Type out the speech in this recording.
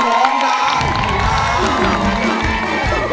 ร้องได้ให้ร้าน